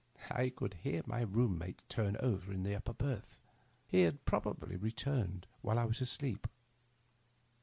I could hear my room mate turn over in the upper berth. He had prob ably returned while I was asleep.